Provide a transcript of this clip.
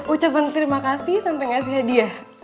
ucapan terima kasih sampai ngasih hadiah